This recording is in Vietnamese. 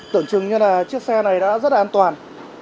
tưởng chừng như là chiếc xe này đã rất là an toàn